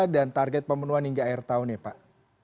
dan target pemenuhan hingga air tahun ya pak